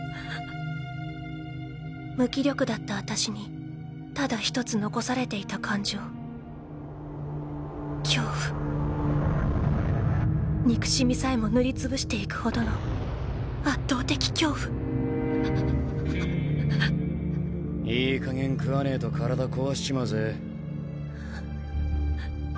無気力だった私にただ一つ残されていた感情恐怖憎しみさえも塗りつぶしていくほどの圧倒的恐怖いいかげん食わねえと体壊しちまうぜ。